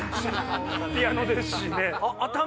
ピアノですしね。